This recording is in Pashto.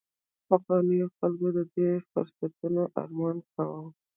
پخوانیو خلکو د دې فرصتونو ارمان کاوه